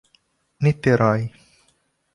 Niterói